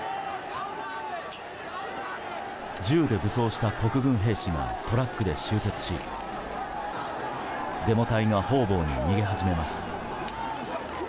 銃で武装した国軍兵士がトラックで集結しデモ隊が方々に逃げ始めます。